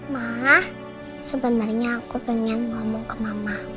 ma sebenernya aku pengen ngomong ke mama